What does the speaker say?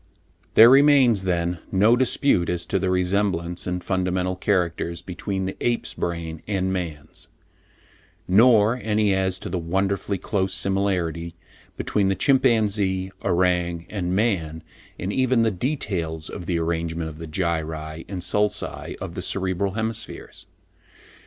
p. 101). There remains, then, no dispute as to the resemblance in fundamental characters, between the ape's brain and man's: nor any as to the wonderfully close similarity between the chimpanzee, orang and man, in even the details of the arrangement of the gyri and sulci of the cerebral hemispheres.